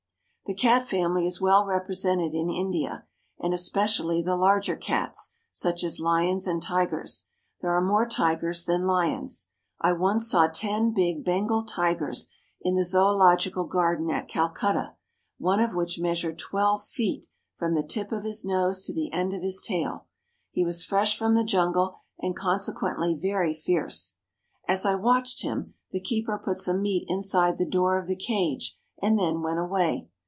The cat family is well represented in India, and espe cially the larger cats, such as lions and tigers. There are more tigers than Hons. I once saw ten big Bengal tigers in the zoological garden at Calcutta, one of which measured twelve feet from the tip of his nose to the end of his tail. He was fresh from the jungle and consequently very fierce. As I watched him, the keeper put some meat inside the door of the cage and then went away.